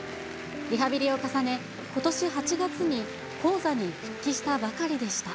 リハビリを重ね、ことし８月に高座に復帰したばかりでした。